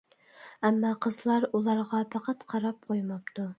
ئەمما قىزلار ئۇلارغا، پەقەت قاراپ قويماپتۇ.